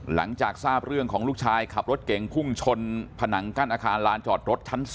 หลังจากทราบเรื่องของลูกชายขับรถเก่งพุ่งชนผนังกั้นอาคารลานจอดรถชั้น๒